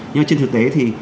nhưng mà trên thực tế thì